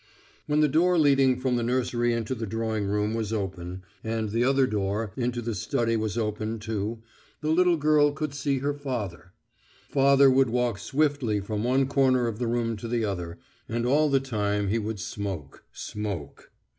When the door leading from the nursery into the drawing room was open, and the other door into the study was open too, the little girl could see her father. Father would walk swiftly from one corner of the room to the other, and all the time he would smoke, smoke.